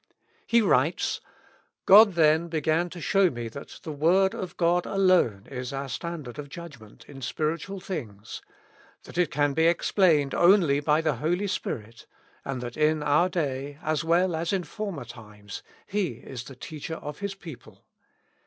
He writes :—" God then began to show me that the word of God alone is our standard of judgment in spiritual things ; that it can be ex plained only by the Holy Spirit ; and that in our day. as well as in former times, He is the Teacher of His people.